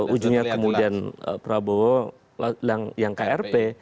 ujungnya kemudian prabowo yang krp